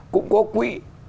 cũng có quỹ